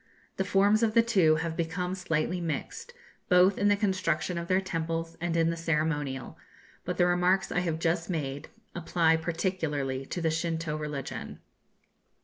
The forms of the two have become slightly mixed, both in the construction of their temples and in the ceremonial; but the remarks I have just made apply particularly to the Shintoo religion.'